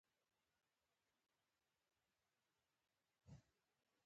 ترکیب د مفاهیمو اړیکه ښيي.